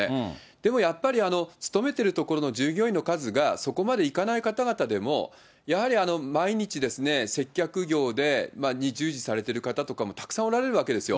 でもやっぱり、勤めてる所の従業員の数がそこまでいかない方々でも、やはり毎日、接客業に従事されてる方とか、たくさんおられるわけですよ。